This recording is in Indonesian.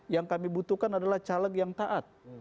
yang kami butuhkan adalah caleg yang taat